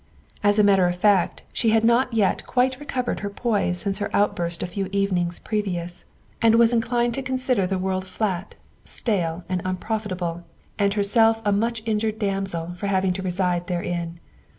As a matter of fact, she had not yet quite recovered her poise since her outburst a few 16 242 THE WIFE OF evenings previous and was inclined to consider the world flat, stale, and unprofitable, and herself a much injured damsel for having to reside therein.